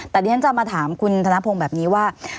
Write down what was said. แต่ดิฉันจะมาถามคุณธนพงศ์แบบนี้ว่า